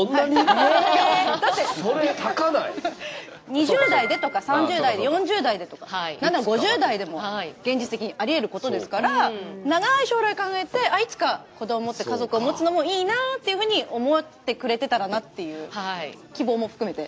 ２０代でとか３０代で４０代でとか何なら５０代でも現実的にありえることですから長い将来を考えていつか子ども持って家族持つのもいいなっていうふうに思ってくれてたらなっていう希望も含めて。